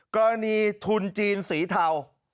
กรณีทุนจีนสีเทา